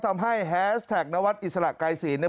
ทำให้แฮสแท็กนวัสต์อิสระไกรศีล